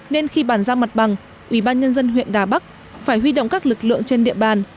nên khi bàn giao mặt bằng ubnd huyện đà bắc phải huy động các lực lượng trên địa bàn